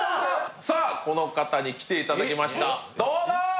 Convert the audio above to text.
この方に来ていただきました、どうぞ！